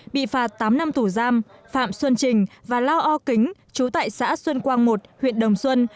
bị phạt tám năm tù giam phạm xuân trình và lo o kính chú tại xã xuân quang một huyện đồng xuân